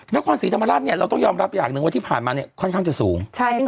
นครศรีธรรมราชเนี่ยเราต้องยอมรับอย่างหนึ่งว่าที่ผ่านมาเนี่ยค่อนข้างจะสูง